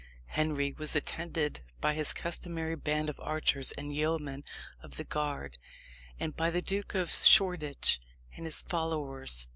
Henry was attended by his customary band of archers and yeomen of the guard, and by the Duke of Shoreditch and his followers.